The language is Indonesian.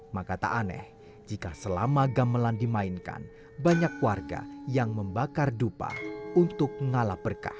makata aneh jika selama gamelan dimainkan banyak warga yang membakar dupa untuk mengalap berkah